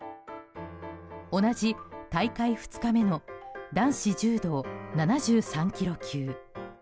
同じ大会２日目の男子柔道７３ｋｇ級。